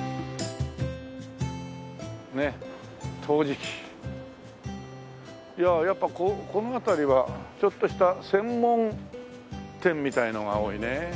「陶磁器」いやあやっぱこの辺りはちょっとした専門店みたいのが多いね。